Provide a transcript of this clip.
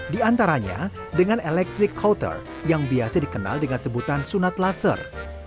di antaranya dengan electric couter yang biasa dikenal dengan sebutan sunat laser